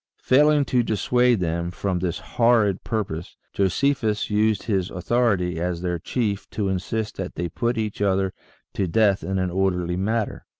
Failing to dissuade them from this horrid purpose, Josephus used his authority as their chief to insist that they put each other to death in an orderly manner.